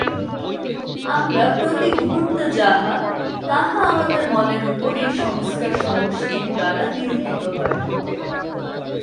আমরা প্রতি মুহূর্তে যাহা, তাহা আমাদের মনের উপর এই সংস্কার-সমষ্টির দ্বারা নিরূপিত হয়।